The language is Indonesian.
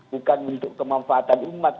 bukan untuk kemanfaatan umat